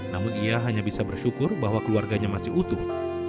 namun ia hanya bisa bersyukur bahwa keluarganya masih utuh